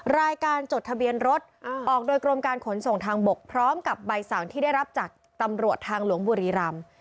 รายการจดทะเบียนรถออกโดยกรมการขนส่งทางบกพร้อมกับใบสั่งที่ได้รับจากตำรวจทางหลวงบุรีรำ